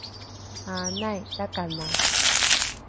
aanai takanao